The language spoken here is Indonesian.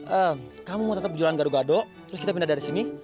ehm kamu mau tetep jualan gara gara terus kita pindah dari sini